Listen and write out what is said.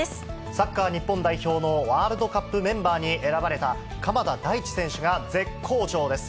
サッカー日本代表のワールドカップメンバーに選ばれた鎌田大地選手が絶好調です。